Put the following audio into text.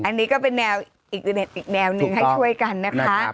อันนี้ก็เป็นแนวอีกแนวนึงให้ช่วยกันนะคะ